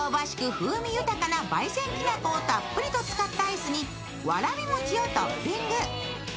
風味豊かな焙煎きな粉をたっぷりと使ったアイスにわらび餅をトッピング。